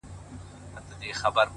• دا په جرګو کي د خبرو قدر څه پیژني,